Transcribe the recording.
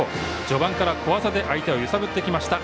序盤から小技で相手を揺さぶってきました。